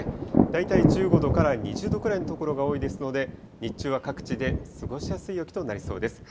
大体１５度から２０度ぐらいの所が多いですので、日中は各地で過ごしやすい陽気となりそうです。